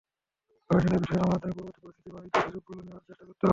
গবেষণা বিশ্লেষণের মাধ্যমে পরিবর্তিত পরিস্থিতির বাণিজ্য সুযোগগুলো নেওয়ার চেষ্টা করতে হবে।